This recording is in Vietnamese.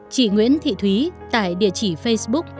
chị nguyễn thị thúy tại địa chỉ facebook